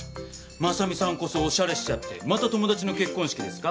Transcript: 真実さんこそおしゃれしちゃってまた友達の結婚式ですか？